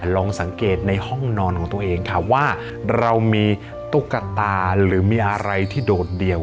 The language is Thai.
ลองสังเกตในห้องนอนของตัวเองค่ะว่าเรามีตุ๊กตาหรือมีอะไรที่โดดเดี่ยว